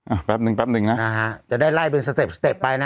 อ่าแปปนึงแปปนึงนะอ่าจะได้ไล่เป็นสเต็ปสเต็ปไปนะ